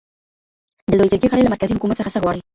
د لویې جرګي غړي له مرکزي حکومت څخه څه غواړي؟